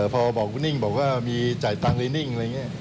พอบอกว่านิ่งบอกว่ามีจ่ายตังค์เลยนิ่ง